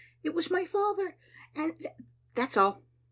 it was my father; and that's all.